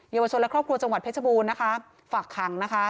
เยาวชนและครอบครัวจังหวัดเพชรบูรณ์นะคะฝากขังนะคะ